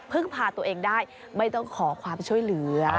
พาตัวเองได้ไม่ต้องขอความช่วยเหลือ